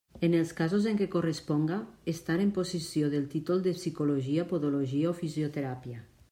En els casos en què corresponga, estar en possessió del títol de Psicologia, Podologia o Fisioteràpia.